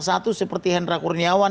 seperti hendra kurniawan